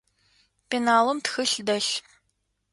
Пеналым тхылъ дэлъ.